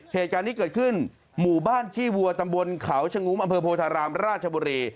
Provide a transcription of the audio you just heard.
เหตุการณ์นี้เกิดขึ้นหมู่บ้านขี้วัวตำบลเขาชะงุมอำเภอโพธารามราชบุรี